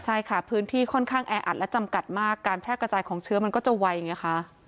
ใช่ค่ะพื้นที่ค่อนข้างแออัดและจำกัดมากการแพร่กระจายของเชื้อมันก็จะไวไงคะ